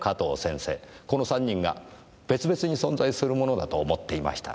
この３人が別々に存在するものだと思っていました。